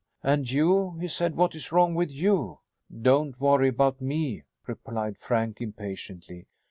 "And you," he said, "what is wrong with you?" "Don't worry about me," replied Frank impatiently.